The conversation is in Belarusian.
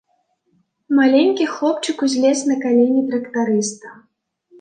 Маленькі хлопчык узлез на калені трактарыста.